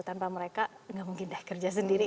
tanpa mereka nggak mungkin deh kerja sendiri